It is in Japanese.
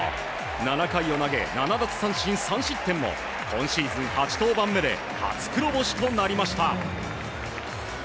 ７回を投げ、７奪三振３失点も今シーズン８登板目で初黒星となりました。